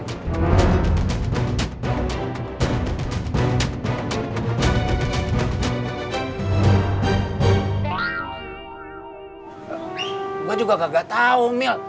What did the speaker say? gua juga kagak tau mil